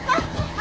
あ！